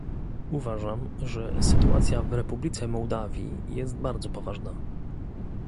Uważam, że sytuacja w Republice Mołdawii jest bardzo poważna